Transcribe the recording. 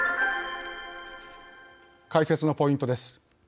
解説のポイントです。